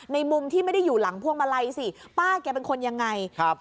มุมที่ไม่ได้อยู่หลังพวงมาลัยสิป้าแกเป็นคนยังไงครับ